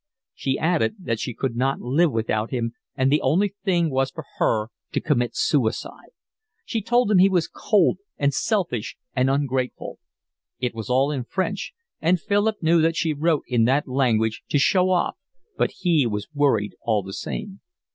She added that she could not live without him, and the only thing was for her to commit suicide. She told him he was cold and selfish and ungrateful. It was all in French, and Philip knew that she wrote in that language to show off, but he was worried all the same.